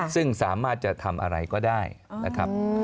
ซึ่งสามารถจะทำอะไรก็ได้นะครับ